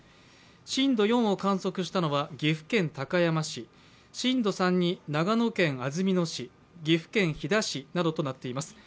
震度４を観測したのは岐阜県高山市、震度３に長野県安曇野市、岐阜県飛騨市などとなっています。